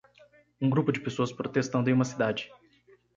Um grupo de pessoas protestando em uma cidade.